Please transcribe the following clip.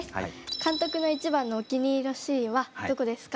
監督の一番のお気に入りのシーンはどこですか？